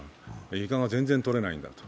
イカが全然取れないんだと。